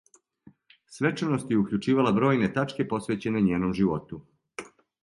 Свечаност је укључивала бројне тачке посвећене њеном животу.